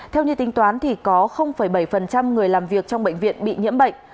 theo như tính toán có bảy người làm việc trong bệnh viện bị nhiễm bệnh